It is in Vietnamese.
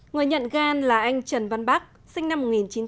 người nhận gan là anh trần văn bắc sinh năm một nghìn chín trăm sáu mươi tám